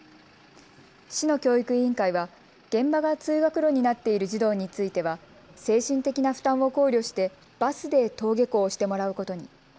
市の教育委員会は現場が通学路になっている児童については精神的な負担を考慮してバスで登下校してもらうことに。